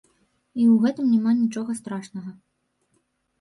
І ў гэтым няма нічога страшнага.